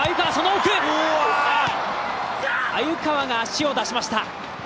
鮎川が足を出しました。